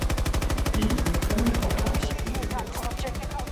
Diese können vor Ort ausgeliehen werden.